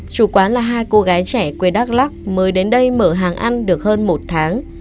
chủ quán là hai cô gái trẻ quê đắk lắc mới đến đây mở hàng ăn được hơn một tháng